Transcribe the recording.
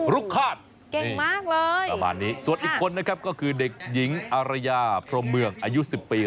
รุกฆาตเก่งมากเลยประมาณนี้ส่วนอีกคนนะครับก็คือเด็กหญิงอารยาพรมเมืองอายุ๑๐ปี